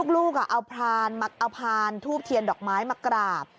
ลูกเอาพานทูบเทียนดอกไม้มากราบ